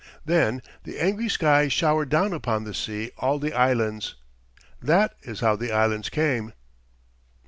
Then the angry sky showered down upon the sea all the Islands. That is how the Islands came."